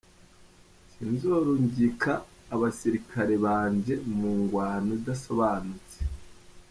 "Sinzorungika abasirikare banje mu ngwano idasobanutse.